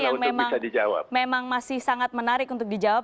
itu pertanyaan yang memang masih sangat menarik untuk dijawab